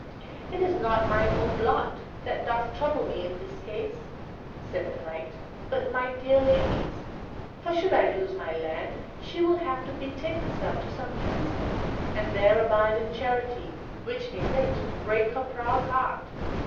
"It is not mine own lot that doth trouble me in that case," said the Knight, "but my dear lady's; for should I lose my land she will have to betake herself to some kinsman and there abide in charity, which, methinks, would break her proud heart.